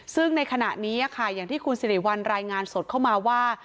ซึ่งในขณะนี้ค่ะอย่างที่คุณสิริวัลรายงานสดเข้ามาว่า